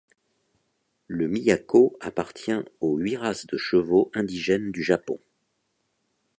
Le Miyako appartient aux huit races de chevaux indigènes du japon.